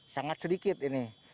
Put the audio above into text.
sangat sedikit ini